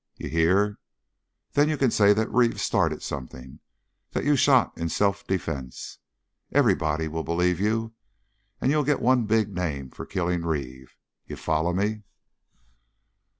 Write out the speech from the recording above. You hear? Then you can say that Reeve started something that you shot in self defense. Everybody'll believe you, and you'll get one big name for killing Reeve! You foller me?"